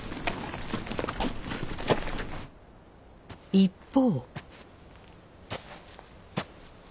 一方。